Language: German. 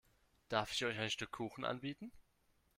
Darf ich euch ein Stück Kuchen anbieten?